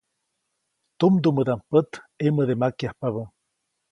Tumdumädaʼm pät ʼemäde makyajpabä.